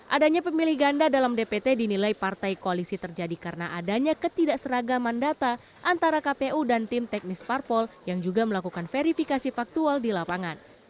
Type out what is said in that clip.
adanya pemilih ganda dalam dpt dinilai partai koalisi terjadi karena adanya ketidakseragaman data antara kpu dan tim teknis parpol yang juga melakukan verifikasi faktual di lapangan